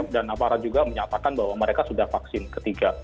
dan aparat juga menyatakan bahwa mereka sudah vaksin ketiga